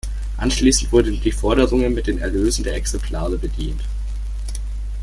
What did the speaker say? Anschließend wurden die Forderungen mit den Erlösen der Exemplare bedient.